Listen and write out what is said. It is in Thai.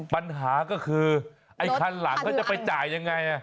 ปัญหาก็คือไอ้คันหลังเขาจะไปจ่ายยังไง